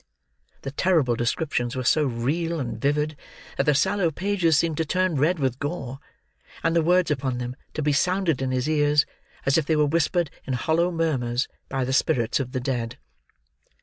The terrible descriptions were so real and vivid, that the sallow pages seemed to turn red with gore; and the words upon them, to be sounded in his ears, as if they were whispered, in hollow murmurs, by the spirits of the dead.